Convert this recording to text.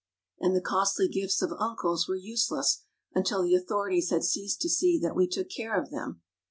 And the costly gifts of uncles were useless until the authorities had ceased to see that we took care of them.